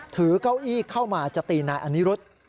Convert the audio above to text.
เก้าอี้เข้ามาจะตีนายอนิรุธ